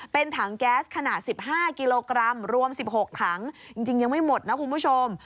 เป็นถังแก๊สขนาด๑๕กิโลกรัมรวม๑๖ถังจริงยังไม่หมดนะคุณผู้ชม